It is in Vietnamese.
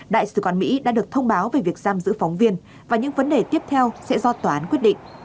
đại sứ quán mỹ đã được thông báo về việc giam giữ phóng viên và những vấn đề tiếp theo sẽ do tòa án quyết định